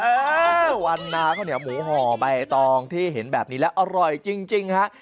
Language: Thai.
ชื่อวันนาข้าวเหนียวหมูห่อใบตองที่เห็นแบบนี้แล้วอร่อยจริงฮะ